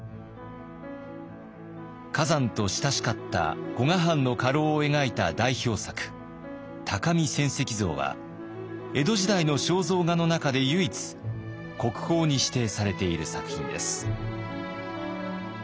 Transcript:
崋山と親しかった古河藩の家老を描いた代表作「鷹見泉石像」は江戸時代の肖像画の中で唯一国宝に指定されている作品です。